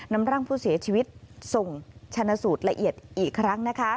นำร่างผู้เสียชีวิตส่งชนะสูตรละเอียดอีกครั้งนะคะ